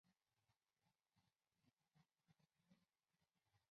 治所在荣懿县。